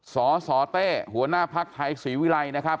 สสเต้หัวหน้าภักดิ์ไทยศรีวิรัยนะครับ